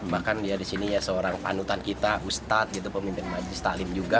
bahkan di sini seorang panutan kita ustadz pemimpin majlis taklim juga